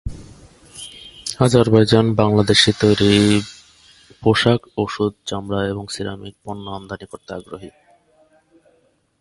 Azerbaijan Bangladeshi তৈরি পোশাক, ওষুধ, চামড়া এবং সিরামিক পণ্য আমদানি করতে আগ্রহী।